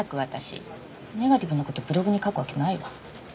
ネガティブな事ブログに書くわけないわ。